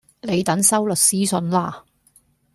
你等收律師信啦